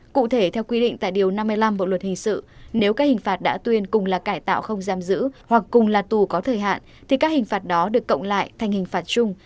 cụ thể theo quy định tại điều năm mươi năm bộ luật hình sự nếu các hình phạt đã tuyên cùng là cải tạo không giam giữ hoặc cùng là tù có thời hạn thì các hình phạt đó được cộng lại thành hình phạt chung